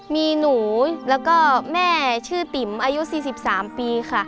มีหนูแล้วก็แม่ชื่อติ๋มอายุ๔๓ปีค่ะ